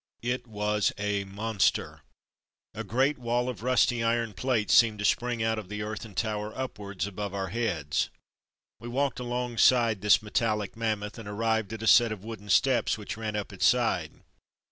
It was a monster. A great wall of rusty iron plates seemed to spring out of the earth and tower upwards above our heads. We walked alongside this metallic mammoth, and arrived at a set of wooden steps which ran up its side.